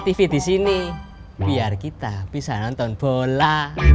tv di sini biar kita bisa nonton bola